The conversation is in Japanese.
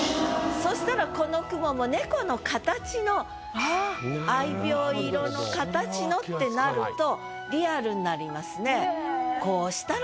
そしたらこの雲も猫の形の愛猫色の形のってなるとリアルになりますね。